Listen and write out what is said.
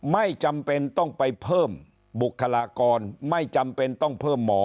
ไม่จำเป็นต้องไปเพิ่มบุคลากรไม่จำเป็นต้องเพิ่มหมอ